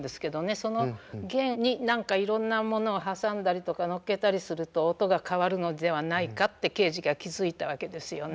その弦に何かいろんなものを挟んだりとか載っけたりすると音が変わるのではないかってケージが気付いたわけですよね。